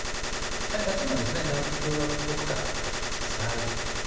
熱いのでラップは奥から取ってください。